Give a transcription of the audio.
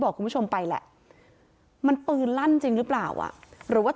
บอกคุณผู้ชมไปแหละมันปืนลั่นจริงหรือเปล่าอ่ะหรือว่า